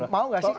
mau gak sih